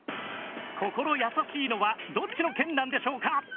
心優しいのはどっちの県なんでしょうか？